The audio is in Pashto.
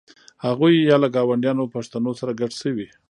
هغوی یا له ګاونډیو پښتنو سره ګډ شوي.